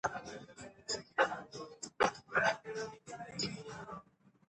شاعري د انساني فکر، خیال او احساس د ښکلا څرګندولو غوره وسیله ده.